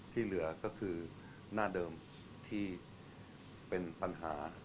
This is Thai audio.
ที่เหลือก็คือหน้าเดิมที่เป็นปัญหา